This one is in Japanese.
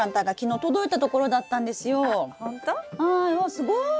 すごい！